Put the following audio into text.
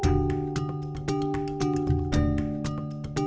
sehingga mereka bisa menemukan keamanan yang sempurna